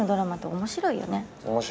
面白いね。